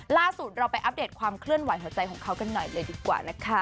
ล่าสุดเราไปอัปเดตความเคลื่อนไหวหัวใจของเขากันหน่อยเลยดีกว่านะคะ